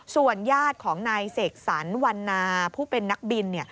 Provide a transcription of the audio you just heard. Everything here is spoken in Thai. ส่วนญาติของนายเสกสรรวันนาผู้เป็นนักบิน